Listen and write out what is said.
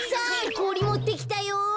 こおりもってきたよ。